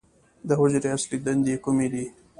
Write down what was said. د حجرې اصلي دندې کومې دي؟